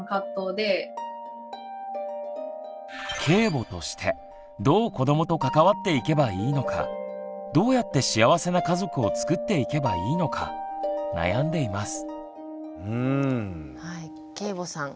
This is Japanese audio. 継母としてどう子どもと関わっていけばいいのかどうやって幸せな家族をつくっていけばいいのか悩んでいます。